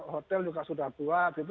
hotel juga sudah buat gitu